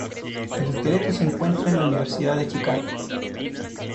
El esqueleto se encuentra en la Universidad de Chicago.